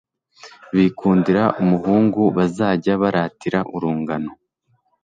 Bikundira umuhungu bazajya baratira urungano